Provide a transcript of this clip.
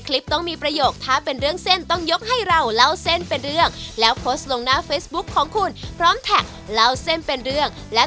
ก็คือสั่งทำพิเศษเฉพาะร้านนี้นั่นเองใช่ให้เป็นสูตรของเซ็นได